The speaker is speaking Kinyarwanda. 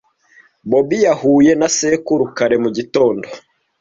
Bob yahuye na sekuru kare mu gitondo.